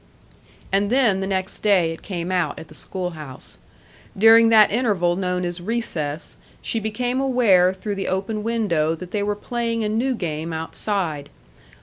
And then the next day it came out at the schoolhouse. During that interval known as recess, she became aware through the open window that they were playing a new game outside.